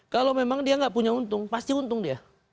kalau memang dia nggak punya untung pasti untung dia